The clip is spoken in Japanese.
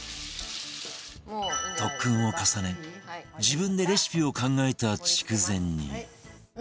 特訓を重ね自分でレシピを考えた筑前煮